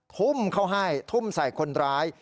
ทุ่มเขาให้ทุ่มใส่คนร้าย